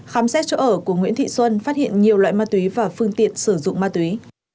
khám xét chỗ ở của nguyễn thị xuân phát hiện nhiều loại ma túy và phương tiện sử dụng ma túy